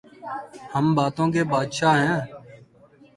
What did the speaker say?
ہم باتوں کے بادشاہ ہیں۔